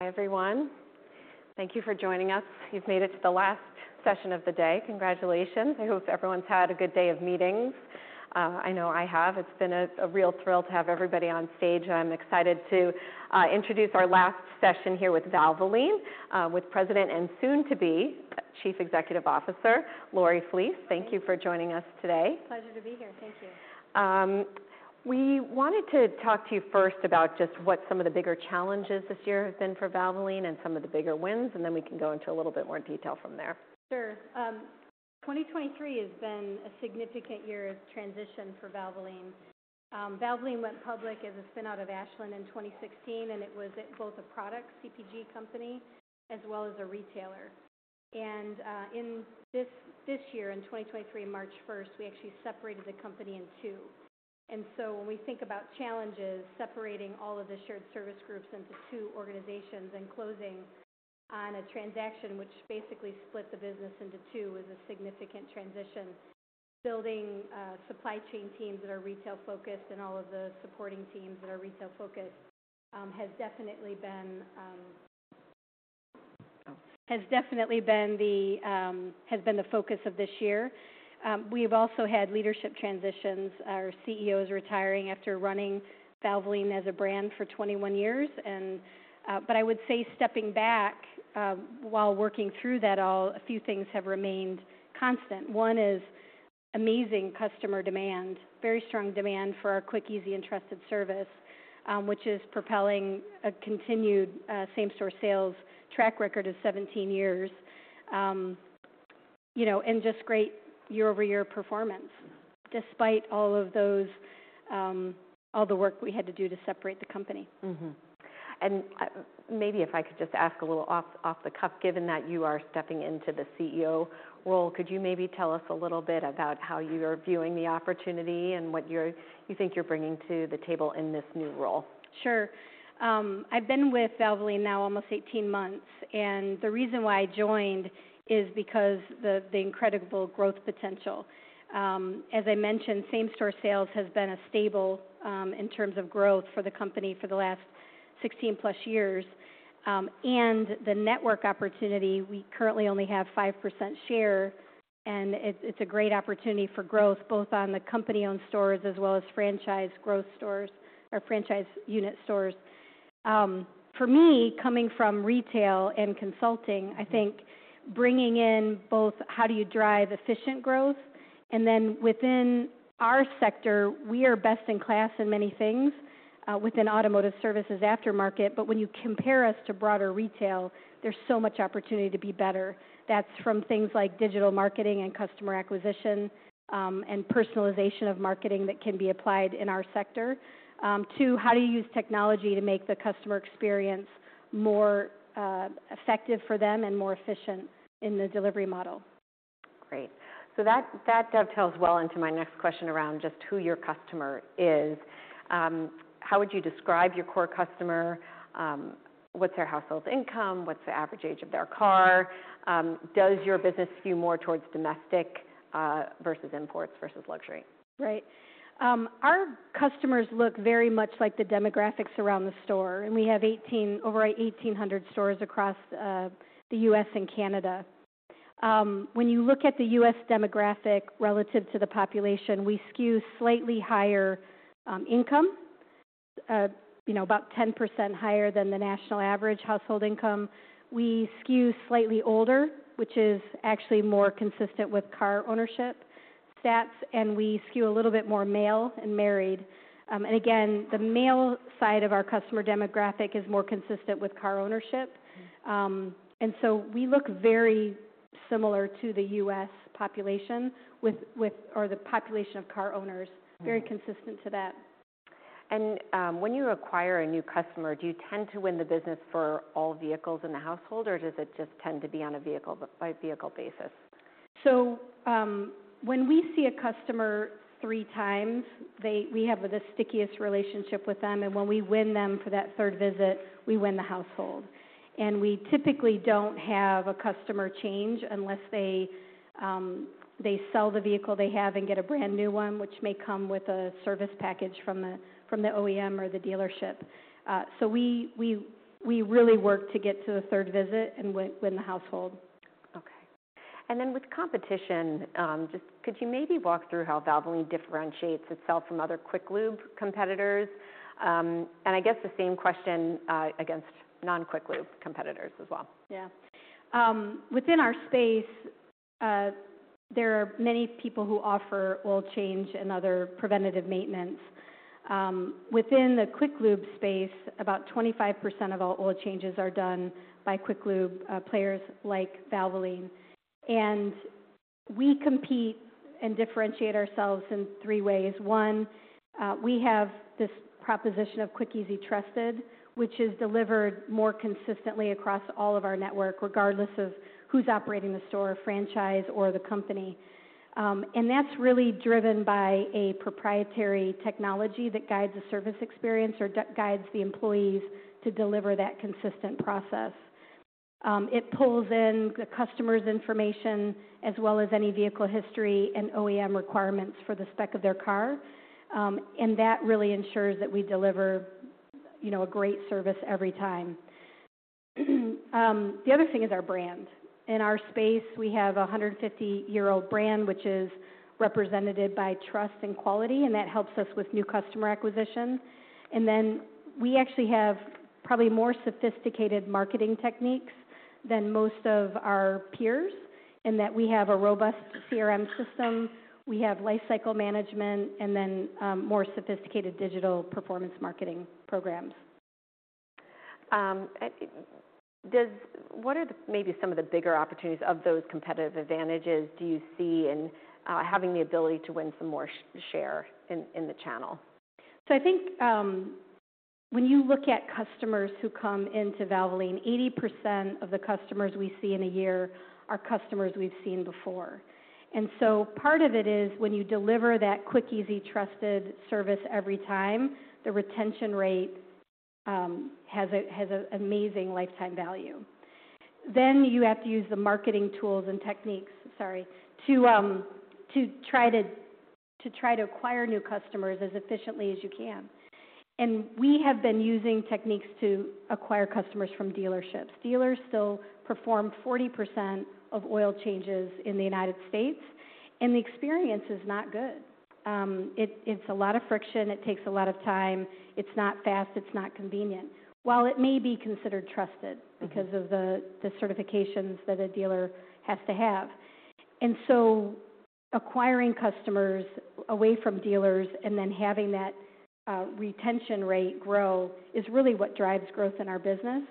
Hi, everyone. Thank you for joining us. You've made it to the last session of the day. Congratulations! I hope everyone's had a good day of meetings. I know I have. It's been a real thrill to have everybody on stage, and I'm excited to introduce our last session here with Valvoline, with President and soon-to-be Chief Executive Officer, Lori Flees. Thank you for joining us today. Pleasure to be here. Thank you. We wanted to talk to you first about just what some of the bigger challenges this year have been for Valvoline and some of the bigger wins, and then we can go into a little bit more detail from there. Sure. 2023 has been a significant year of transition for Valvoline. Valvoline went public as a spin-out of Ashland in 2016, and it was both a product CPG company, as well as a retailer. In this year, in 2023, March 1st, we actually separated the company in two. When we think about challenges, separating all of the shared service groups into two organizations and closing on a transaction, which basically split the business into two, was a significant transition. Building supply chain teams that are retail-focused and all of the supporting teams that are retail-focused has definitely been the focus of this year. We've also had leadership transitions. Our CEO is retiring after running Valvoline as a brand for 21 years, and... I would say stepping back, while working through that, a few things have remained constant. One is amazing customer demand. Very strong demand for our quick, easy, and trusted service, which is propelling a continued, same-store sales track record of 17 years. You know, and just great year-over-year performance despite all of those, all the work we had to do to separate the company. Mm-hmm. And, maybe if I could just ask a little off the cuff, given that you are stepping into the CEO role, could you maybe tell us a little bit about how you're viewing the opportunity and what you think you're bringing to the table in this new role? Sure. I've been with Valvoline now almost 18 months, and the reason why I joined is because the incredible growth potential. As I mentioned, same-store sales has been a stable in terms of growth for the company for the last 16+ years. And the network opportunity, we currently only have 5% share, and it's a great opportunity for growth, both on the company-owned stores as well as franchise growth stores or franchise unit stores. For me, coming from retail and consulting, I think bringing in both how do you drive efficient growth? And then, within our sector, we are best in class in many things within automotive services aftermarket. But when you compare us to broader retail, there's so much opportunity to be better. That's from things like digital marketing and customer acquisition, and personalization of marketing that can be applied in our sector, to how do you use technology to make the customer experience more effective for them and more efficient in the delivery model? Great. So that dovetails well into my next question around just who your customer is. How would you describe your core customer? What's their household income? What's the average age of their car? Does your business skew more towards domestic versus imports versus luxury? Right. Our customers look very much like the demographics around the store, and we have over 1,800 stores across the U.S. and Canada. When you look at the U.S. demographic relative to the population, we skew slightly higher income, you know, about 10% higher than the national average household income. We skew slightly older, which is actually more consistent with car ownership stats, and we skew a little bit more male and married. And again, the male side of our customer demographic is more consistent with car ownership. Mm-hmm. And so we look very similar to the U.S. population with... or the population of car owners. Mm-hmm. Very consistent to that. When you acquire a new customer, do you tend to win the business for all vehicles in the household, or does it just tend to be on a vehicle by vehicle basis? So, when we see a customer three times, they, we have the stickiest relationship with them, and when we win them for that third visit, we win the household. We typically don't have a customer change unless they sell the vehicle they have and get a brand-new one, which may come with a service package from the OEM or the dealership. So we really work to get to the third visit and win the household. Okay. And then with competition, just could you maybe walk through how Valvoline differentiates itself from other quick lube competitors? And I guess the same question against non-quick lube competitors as well? Yeah. Within our space, there are many people who offer oil change and other preventative maintenance. Within the quick lube space, about 25% of all oil changes are done by quick lube players like Valvoline, and we compete and differentiate ourselves in three ways. One, we have this proposition of Quick, Easy, Trusted, which is delivered more consistently across all of our network, regardless of who's operating the store, franchise or the company. And that's really driven by a proprietary technology that guides the service experience or guides the employees to deliver that consistent process. It pulls in the customer's information, as well as any vehicle history and OEM requirements for the spec of their car. And that really ensures that we deliver, you know, a great service every time. The other thing is our brand. In our space, we have a 150-year-old brand, which is represented by trust and quality, and that helps us with new customer acquisition. Then we actually have probably more sophisticated marketing techniques than most of our peers, in that we have a robust CRM system, we have lifecycle management, and then, more sophisticated digital performance marketing programs. What are maybe some of the bigger opportunities of those competitive advantages do you see in having the ability to win some more share in the channel? So I think, when you look at customers who come into Valvoline, 80% of the customers we see in a year are customers we've seen before. And so part of it is when you deliver that Quick, Easy, Trusted service every time, the retention rate has a amazing lifetime value. Then you have to use the marketing tools and techniques, sorry, to try to acquire new customers as efficiently as you can. And we have been using techniques to acquire customers from dealerships. Dealers still perform 40% of oil changes in the United States, and the experience is not good. It’s a lot of friction, it takes a lot of time. It’s not fast, it’s not convenient, while it may be considered trusted- Mm-hmm. Because of the certifications that a dealer has to have. And so acquiring customers away from dealers and then having that retention rate grow is really what drives growth in our business.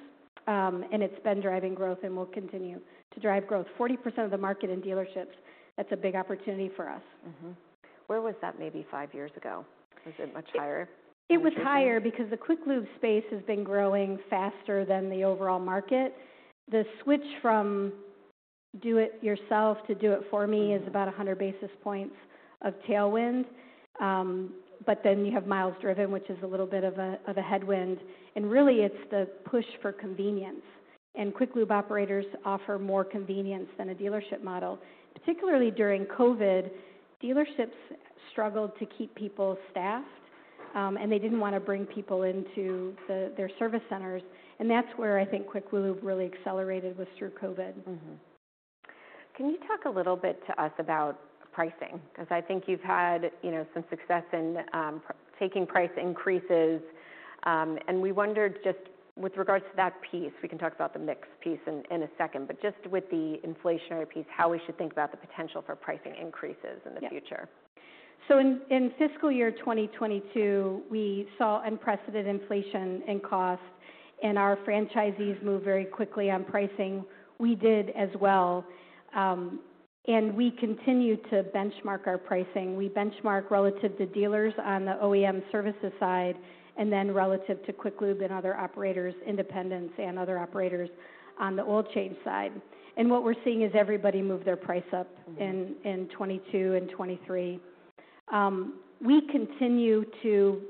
And it's been driving growth and will continue to drive growth. 40% of the market in dealerships, that's a big opportunity for us. Mm-hmm. Where was that maybe five years ago? Was it much higher? It was higher because the quick lube space has been growing faster than the overall market. The switch from Do It Yourself to Do It For Me. Mm-hmm. - is about 100 basis points of tailwind. But then you have miles driven, which is a little bit of a headwind. And really, it's the push for convenience, and quick lube operators offer more convenience than a dealership model. Particularly during COVID, dealerships struggled to keep people staffed, and they didn't want to bring people into their service centers, and that's where I think quick lube really accelerated was through COVID. Mm-hmm. Can you talk a little bit to us about pricing? Because I think you've had, you know, some success in taking price increases. And we wondered, just with regards to that piece, we can talk about the mix piece in a second, but just with the inflationary piece, how we should think about the potential for pricing increases in the future. Yeah. So in fiscal year 2022, we saw unprecedented inflation in cost, and our franchisees moved very quickly on pricing. We did as well. And we continued to benchmark our pricing. We benchmark relative to dealers on the OEM services side, and then relative to quick lube and other operators, independents and other operators on the oil change side. And what we're seeing is everybody move their price up- Mm-hmm. In 2022 and 2023. We continue to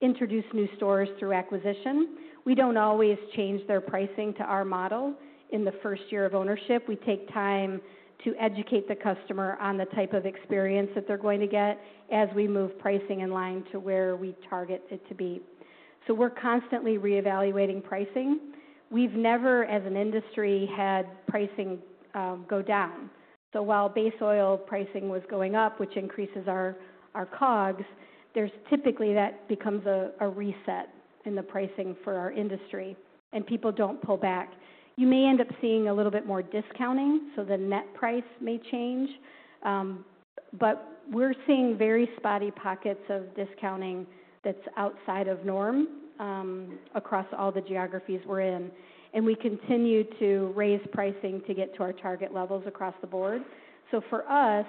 introduce new stores through acquisition. We don't always change their pricing to our model in the first year of ownership. We take time to educate the customer on the type of experience that they're going to get as we move pricing in line to where we target it to be. So we're constantly reevaluating pricing. We've never, as an industry, had pricing go down. So while base oil pricing was going up, which increases our COGS, there's typically that becomes a reset in the pricing for our industry, and people don't pull back. You may end up seeing a little bit more discounting, so the net price may change. But we're seeing very spotty pockets of discounting that's outside of norm across all the geographies we're in, and we continue to raise pricing to get to our target levels across the board. So for us,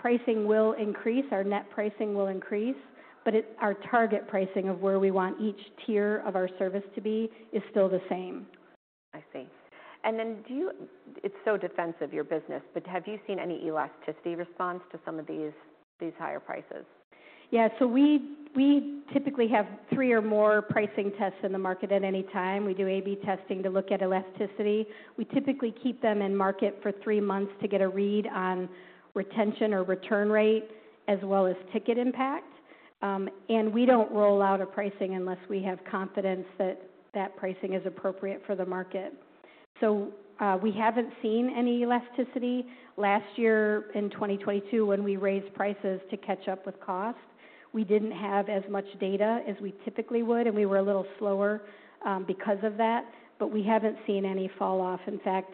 pricing will increase, our net pricing will increase, but it... Our target pricing of where we want each tier of our service to be is still the same. I see. And then do you—it's so defensive, your business, but have you seen any elasticity response to some of these, these higher prices? Yeah, so we typically have 3 or more pricing tests in the market at any time. We do AB testing to look at elasticity. We typically keep them in market for 3 months to get a read on retention or return rate, as well as ticket impact. We don't roll out a pricing unless we have confidence that that pricing is appropriate for the market. We haven't seen any elasticity. Last year, in 2022, when we raised prices to catch up with cost, we didn't have as much data as we typically would, and we were a little slower, because of that, but we haven't seen any fall off. In fact,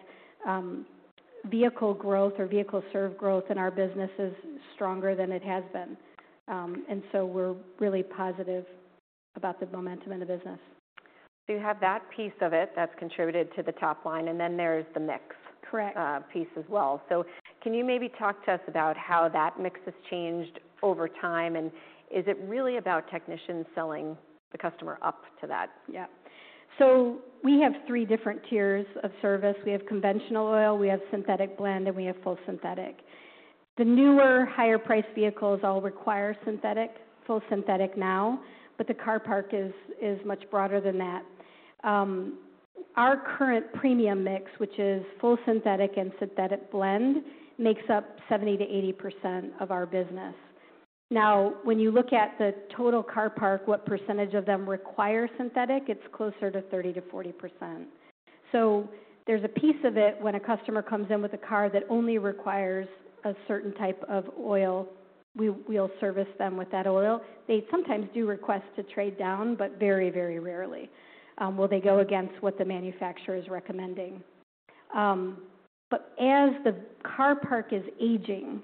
vehicle growth or vehicle service growth in our business is stronger than it has been. We're really positive about the momentum in the business. So you have that piece of it that's contributed to the top line, and then there's the mix- Correct. piece as well. So can you maybe talk to us about how that mix has changed over time? And is it really about technicians selling the customer up to that? Yeah. So we have three different tiers of service. We have conventional oil, we have synthetic blend, and we have full synthetic.... The newer, higher priced vehicles all require synthetic, full synthetic now, but the car park is much broader than that. Our current premium mix, which is full synthetic and synthetic blend, makes up 70%-80% of our business. Now, when you look at the total car park, what percentage of them require synthetic? It's closer to 30%-40%. So there's a piece of it when a customer comes in with a car that only requires a certain type of oil, we'll service them with that oil. They sometimes do request to trade down, but very, very rarely will they go against what the manufacturer is recommending. But as the car park is aging,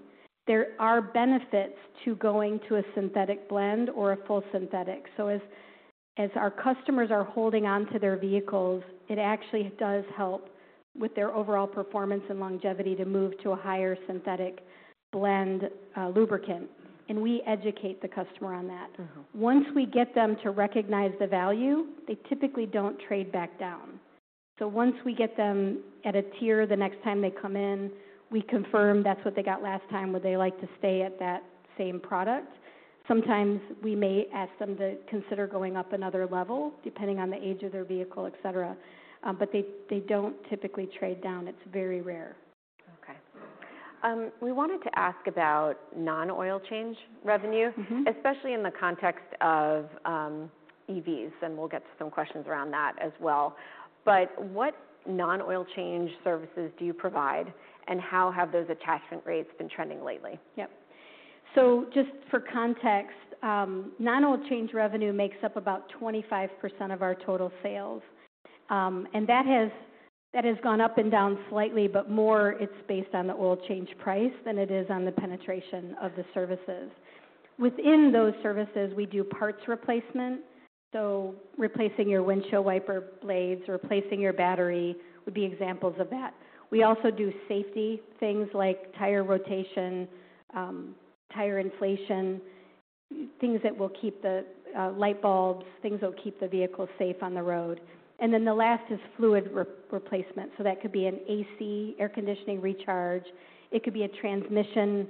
there are benefits to going to a synthetic blend or a full synthetic. So as our customers are holding on to their vehicles, it actually does help with their overall performance and longevity to move to a higher synthetic blend, lubricant, and we educate the customer on that. Mm-hmm. Once we get them to recognize the value, they typically don't trade back down. So once we get them at a tier, the next time they come in, we confirm that's what they got last time. Would they like to stay at that same product? Sometimes we may ask them to consider going up another level, depending on the age of their vehicle, et cetera. But they, they don't typically trade down. It's very rare. Okay. We wanted to ask about non-oil change revenue- Mm-hmm. -especially in the context of, EVs, and we'll get to some questions around that as well. But what non-oil change services do you provide, and how have those attachment rates been trending lately? Yep. So just for context, non-oil change revenue makes up about 25% of our total sales. And that has gone up and down slightly, but more it's based on the oil change price than it is on the penetration of the services. Within those services, we do parts replacement, so replacing your windshield wiper blades, replacing your battery, would be examples of that. We also do safety, things like tire rotation, tire inflation, things that will keep the light bulbs, things that will keep the vehicle safe on the road. And then the last is fluid replacement, so that could be an AC, air conditioning recharge, it could be a transmission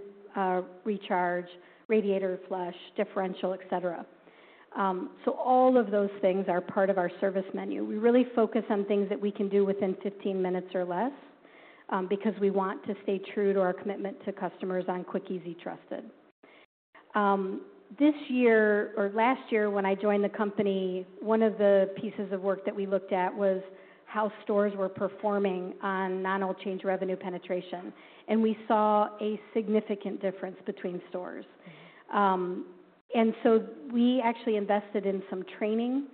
recharge, radiator flush, differential, et cetera. So all of those things are part of our service menu. We really focus on things that we can do within 15 minutes or less, because we want to stay true to our commitment to customers on Quick, Easy, Trusted. This year, or last year, when I joined the company, one of the pieces of work that we looked at was how stores were performing on non-oil change revenue penetration, and we saw a significant difference between stores. And so we actually invested in some training,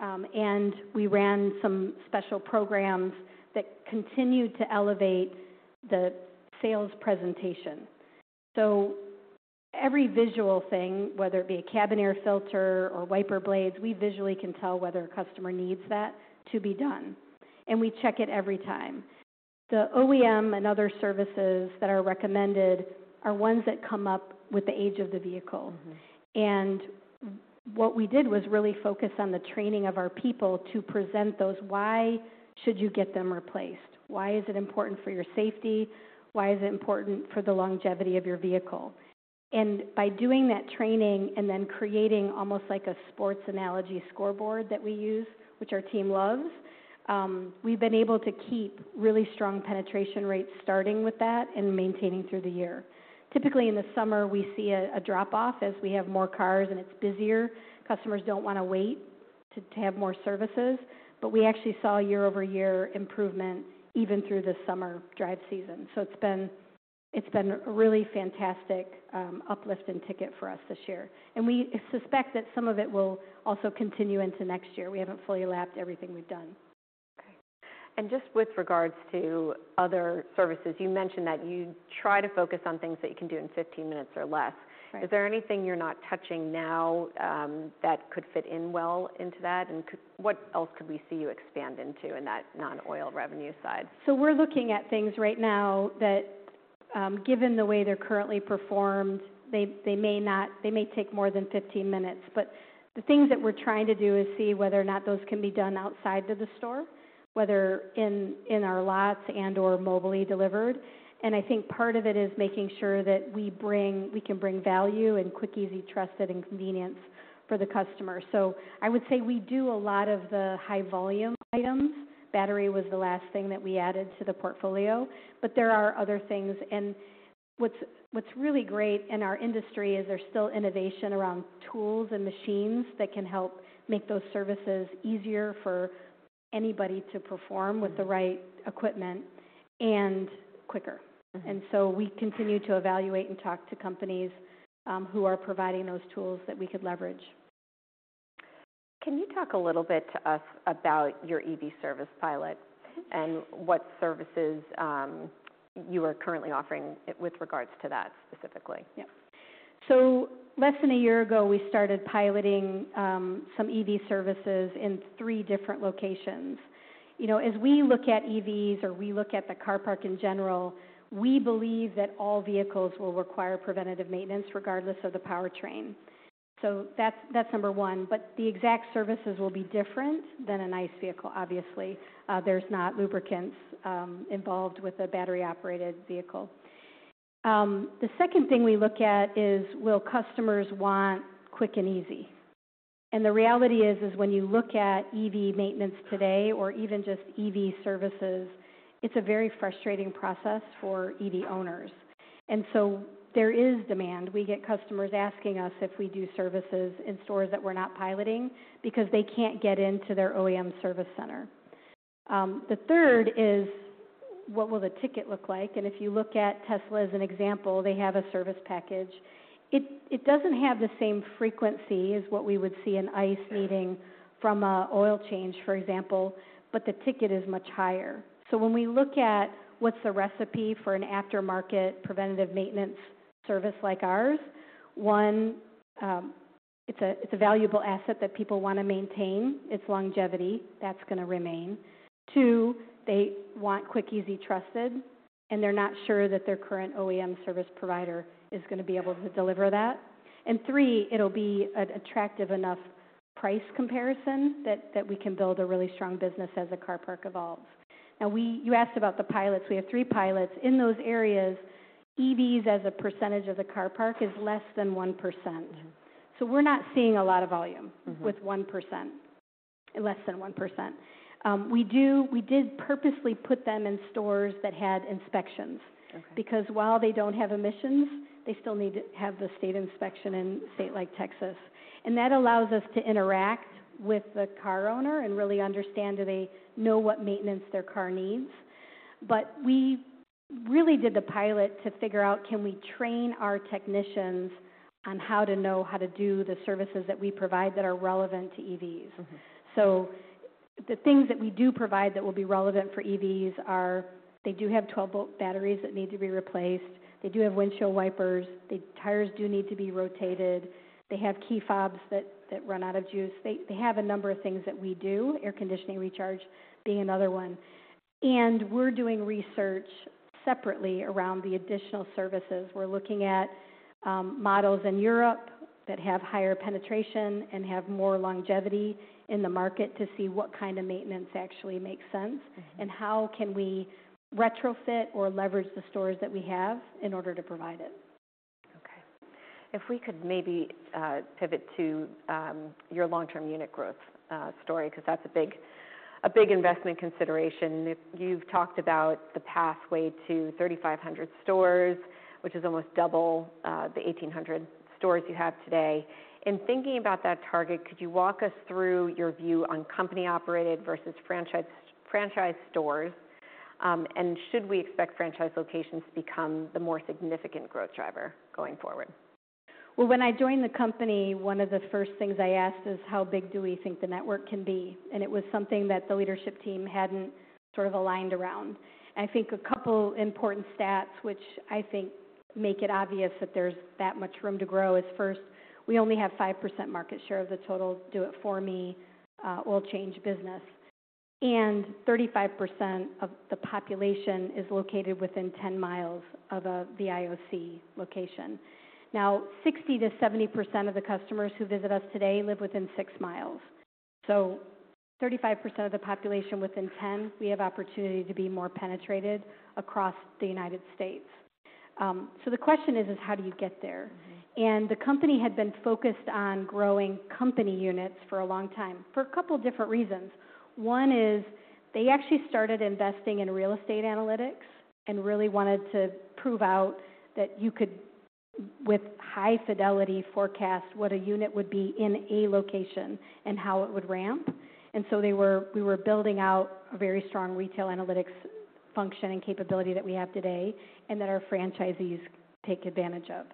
and we ran some special programs that continued to elevate the sales presentation. So every visual thing, whether it be a cabin air filter or wiper blades, we visually can tell whether a customer needs that to be done, and we check it every time. The OEM and other services that are recommended are ones that come up with the age of the vehicle. Mm-hmm. What we did was really focus on the training of our people to present those. Why should you get them replaced? Why is it important for your safety? Why is it important for the longevity of your vehicle? And by doing that training and then creating almost like a sports analogy scoreboard that we use, which our team loves, we've been able to keep really strong penetration rates, starting with that and maintaining through the year. Typically, in the summer, we see a drop-off as we have more cars and it's busier. Customers don't want to wait to have more services. But we actually saw year-over-year improvement even through the summer drive season. So it's been a really fantastic uplift in ticket for us this year, and we suspect that some of it will also continue into next year. We haven't fully lapped everything we've done. Okay. And just with regards to other services, you mentioned that you try to focus on things that you can do in 15 minutes or less. Right. Is there anything you're not touching now, that could fit in well into that? And what else could we see you expand into in that non-oil revenue side? So we're looking at things right now that, given the way they're currently performed, they may take more than 15 minutes. But the things that we're trying to do is see whether or not those can be done outside of the store, whether in our lots and/or mobilely delivered. And I think part of it is making sure that we can bring value and Quick, Easy, Trusted, and convenience for the customer. So I would say we do a lot of the high volume items. Battery was the last thing that we added to the portfolio, but there are other things. And what's really great in our industry is there's still innovation around tools and machines that can help make those services easier for anybody to perform- Mm-hmm. with the right equipment and quicker. Mm-hmm. We continue to evaluate and talk to companies who are providing those tools that we could leverage. Can you talk a little bit to us about your EV service pilot? Mm-hmm. -and what services you are currently offering with regards to that specifically? Yep. So less than a year ago, we started piloting some EV services in three different locations. You know, as we look at EVs or we look at the car park in general, we believe that all vehicles will require preventative maintenance regardless of the powertrain. So that's number one. But the exact services will be different than an ICE vehicle, obviously. There's not lubricants involved with a battery-operated vehicle. The second thing we look at is, will customers want quick and easy? And the reality is, when you look at EV maintenance today or even just EV services, it's a very frustrating process for EV owners. And so there is demand. We get customers asking us if we do services in stores that we're not piloting because they can't get into their OEM service center. The third is: What will the ticket look like? And if you look at Tesla as an example, they have a service package. It doesn't have the same frequency as what we would see in ICE needing from a oil change, for example, but the ticket is much higher. So when we look at what's the recipe for an aftermarket preventative maintenance service like ours, one, it's a valuable asset that people want to maintain its longevity. That's gonna remain. Two, they want Quick, Easy, Trusted, and they're not sure that their current OEM service provider is gonna be able to deliver that. And three, it'll be an attractive enough price comparison that we can build a really strong business as the car park evolves. Now, you asked about the pilots. We have three pilots. In those areas, EVs, as a percentage of the car park, is less than 1%. Mm-hmm. We're not seeing a lot of volume- Mm-hmm. with 1%, less than 1%. We did purposely put them in stores that had inspections. Okay. Because while they don't have emissions, they still need to have the state inspection in a state like Texas. And that allows us to interact with the car owner and really understand, do they know what maintenance their car needs? But we really did the pilot to figure out, can we train our technicians on how to know how to do the services that we provide that are relevant to EVs? Mm-hmm. So the things that we do provide that will be relevant for EVs are: they do have 12-volt batteries that need to be replaced, they do have windshield wipers, the tires do need to be rotated, they have key fobs that, that run out of juice. They, they have a number of things that we do, air conditioning recharge being another one. And we're doing research separately around the additional services. We're looking at models in Europe that have higher penetration and have more longevity in the market to see what kind of maintenance actually makes sense. Mm-hmm. And how can we retrofit or leverage the stores that we have in order to provide it? Okay. If we could maybe pivot to your long-term unit growth story, 'cause that's a big, a big investment consideration. You've talked about the pathway to 3,500 stores, which is almost double the 1,800 stores you have today. In thinking about that target, could you walk us through your view on company-operated versus franchise, franchise stores? And should we expect franchise locations to become the more significant growth driver going forward? Well, when I joined the company, one of the first things I asked is: How big do we think the network can be? And it was something that the leadership team hadn't sort of aligned around. I think a couple important stats, which I think make it obvious that there's that much room to grow, is first, we only have 5% market share of the total Do It For Me oil change business, and 35% of the population is located within 10 miles of a, the IOC location. Now, 60%-70% of the customers who visit us today live within 6 miles. So 35% of the population within 10, we have opportunity to be more penetrated across the United States. So the question is, is how do you get there? Mm-hmm. The company had been focused on growing company units for a long time, for a couple different reasons. One is they actually started investing in real estate analytics and really wanted to prove out that you could, with high fidelity, forecast what a unit would be in a location and how it would ramp. And so we were building out a very strong retail analytics function and capability that we have today and that our franchisees take advantage of.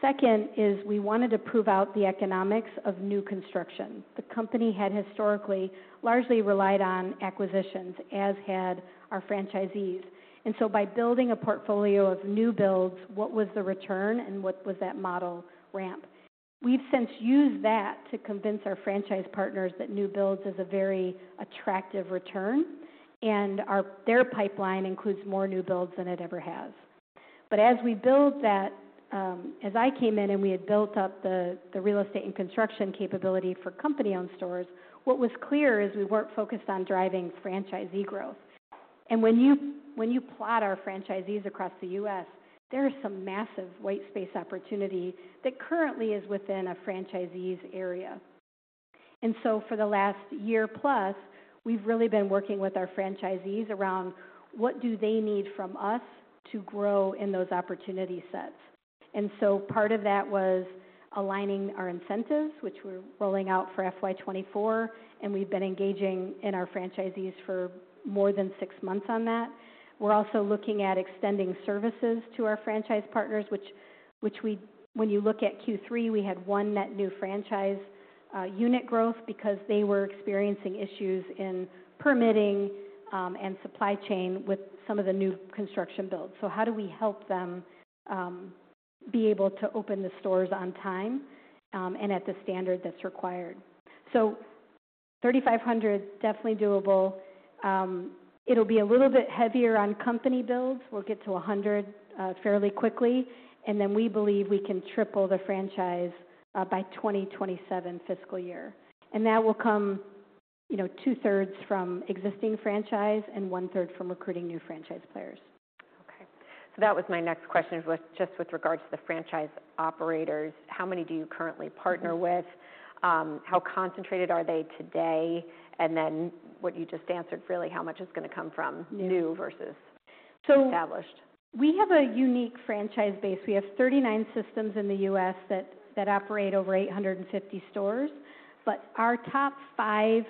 Second is we wanted to prove out the economics of new construction. The company had historically largely relied on acquisitions, as had our franchisees. And so by building a portfolio of new builds, what was the return and what was that model ramp? We've since used that to convince our franchise partners that new builds is a very attractive return, and our... Their pipeline includes more new builds than it ever has. But as we build that, as I came in and we had built up the real estate and construction capability for company-owned stores, what was clear is we weren't focused on driving franchisee growth. And when you plot our franchisees across the U.S., there is some massive white space opportunity that currently is within a franchisee's area. And so for the last year plus, we've really been working with our franchisees around what do they need from us to grow in those opportunity sets. And so part of that was aligning our incentives, which we're rolling out for FY 2024, and we've been engaging in our franchisees for more than six months on that. We're also looking at extending services to our franchise partners, which we—when you look at Q3, we had 1 net new franchise unit growth because they were experiencing issues in permitting and supply chain with some of the new construction builds. So how do we help them be able to open the stores on time and at the standard that's required? So... 3,500, definitely doable. It'll be a little bit heavier on company builds. We'll get to 100 fairly quickly, and then we believe we can triple the franchise by 2027 fiscal year. And that will come, you know, 2/3 from existing franchise and 1/3 from recruiting new franchise players. Okay. So that was my next question, was just with regards to the franchise operators, how many do you currently partner with? How concentrated are they today? And then what you just answered, really, how much is gonna come from- Yes new versus established? So we have a unique franchise base. We have 39 systems in the U.S. that operate over 850 stores, but our top five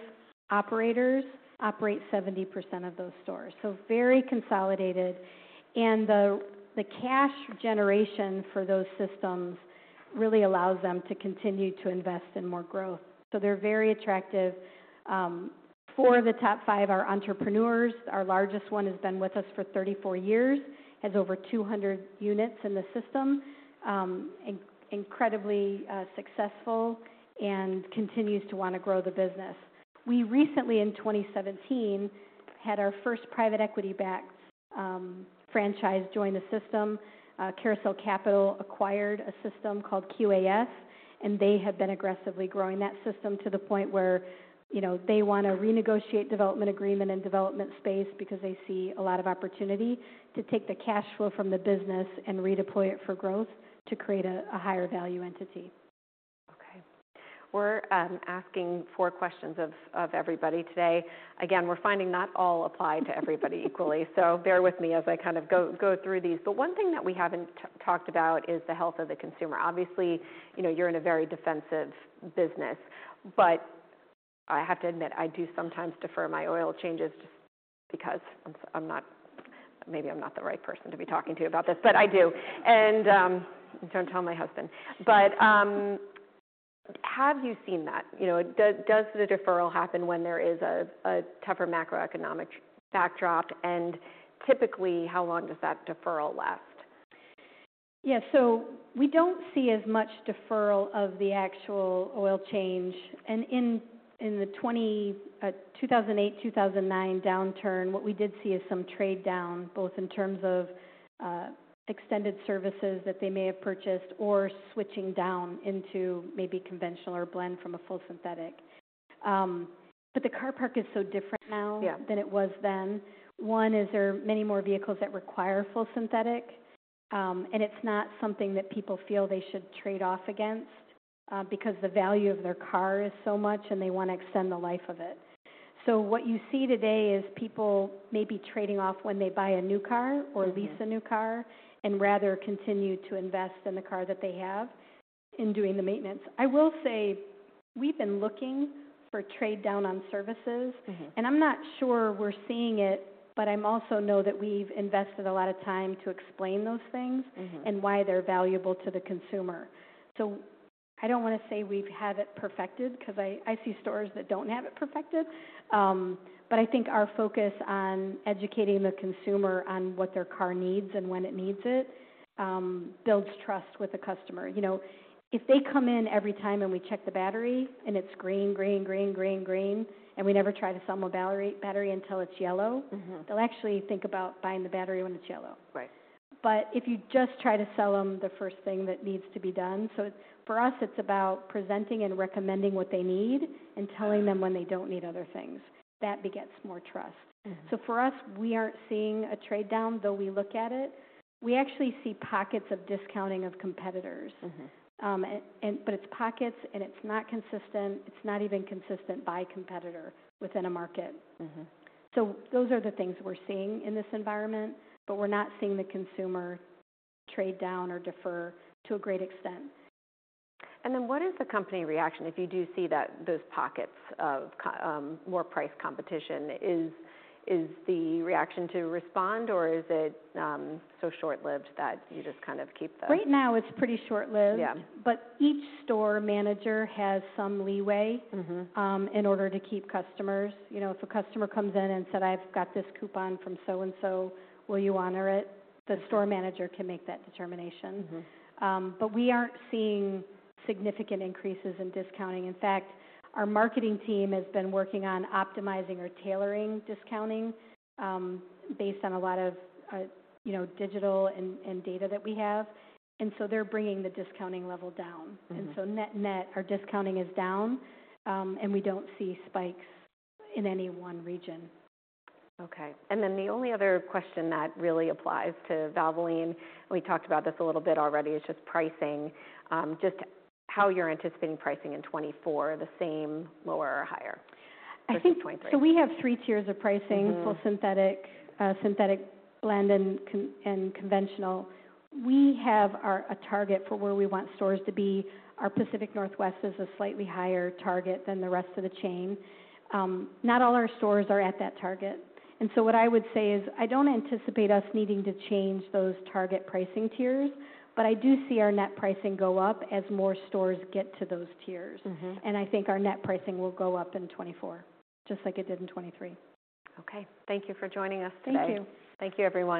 operators operate 70% of those stores, so very consolidated. And the cash generation for those systems really allows them to continue to invest in more growth, so they're very attractive. Four of the top five are entrepreneurs. Our largest one has been with us for 34 years, has over 200 units in the system. Incredibly successful and continues to wanna grow the business. We recently, in 2017, had our first private equity-backed franchise join the system. Carousel Capital acquired a system called QAS, and they have been aggressively growing that system to the point where, you know, they wanna renegotiate development agreement and development space because they see a lot of opportunity to take the cash flow from the business and redeploy it for growth to create a higher value entity. Okay. We're asking four questions of everybody today. Again, we're finding not all apply to everybody equally, so bear with me as I kind of go through these. But one thing that we haven't talked about is the health of the consumer. Obviously, you know, you're in a very defensive business, but I have to admit, I do sometimes defer my oil changes just because I'm not... Maybe I'm not the right person to be talking to you about this, but I do. And don't tell my husband. But have you seen that? You know, does the deferral happen when there is a tougher macroeconomic backdrop, and typically, how long does that deferral last? Yeah, so we don't see as much deferral of the actual oil change. In the 2008, 2009 downturn, what we did see is some trade-down, both in terms of extended services that they may have purchased or switching down into maybe conventional or blend from a full synthetic. But the car park is so different now- Yeah -than it was then. One, there are many more vehicles that require full synthetic, and it's not something that people feel they should trade off against, because the value of their car is so much, and they wanna extend the life of it. So what you see today is people maybe trading off when they buy a new car- Mm-hmm. or lease a new car and rather continue to invest in the car that they have in doing the maintenance. I will say, we've been looking for trade down on services. Mm-hmm. I’m not sure we’re seeing it, but I also know that we’ve invested a lot of time to explain those things- Mm-hmm and why they're valuable to the consumer. So I don't wanna say we've had it perfected, 'cause I see stores that don't have it perfected. But I think our focus on educating the consumer on what their car needs and when it needs it builds trust with the customer. You know, if they come in every time and we check the battery and it's green, green, green, green, green, and we never try to sell them a battery until it's yellow- Mm-hmm... they'll actually think about buying the battery when it's yellow. Right. If you just try to sell 'em the first thing that needs to be done, so for us, it's about presenting and recommending what they need and telling them when they don't need other things. That begets more trust. Mm-hmm. For us, we aren't seeing a trade-down, though we look at it. We actually see pockets of discounting of competitors. Mm-hmm. But it's pockets, and it's not consistent. It's not even consistent by competitor within a market. Mm-hmm. Those are the things we're seeing in this environment, but we're not seeing the consumer trade down or defer to a great extent. And then what is the company reaction if you do see that, those pockets of more price competition? Is the reaction to respond, or is it so short-lived that you just kind of keep the- Right now, it's pretty short-lived. Yeah. Each store manager has some leeway- Mm-hmm... in order to keep customers. You know, if a customer comes in and said, "I've got this coupon from so and so, will you honor it? Mm-hmm. The store manager can make that determination. Mm-hmm. But we aren't seeing significant increases in discounting. In fact, our marketing team has been working on optimizing or tailoring discounting, based on a lot of, you know, digital and data that we have, and so they're bringing the discounting level down. Mm-hmm. Net net, our discounting is down, and we don't see spikes in any one region. Okay, and then the only other question that really applies to Valvoline, we talked about this a little bit already, is just pricing. Just how you're anticipating pricing in 2024, the same, lower, or higher versus 2023? I think, so we have three tiers of pricing- Mm-hmm... full synthetic, synthetic blend, and conventional. We have a target for where we want stores to be. Our Pacific Northwest is a slightly higher target than the rest of the chain. Not all our stores are at that target, and so what I would say is, I don't anticipate us needing to change those target pricing tiers, but I do see our net pricing go up as more stores get to those tiers. Mm-hmm. I think our net pricing will go up in 2024, just like it did in 2023. Okay. Thank you for joining us today. Thank you. Thank you, everyone.